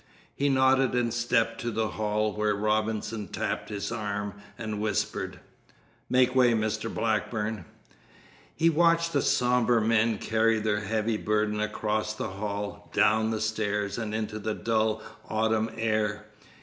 He nodded and stepped to the hall when Robinson tapped his arm and whispered: "Make way, Mr. Blackburn." He watched the sombre men carry their heavy burden across the hall, down the stairs, and into the dull autumn air.